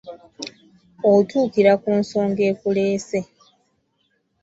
Otuukira ku nsonga ekuleese.